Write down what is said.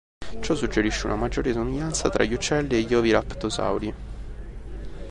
Ciò suggerisce una maggiore somiglianza tra gli uccelli e gli oviraptorosauri.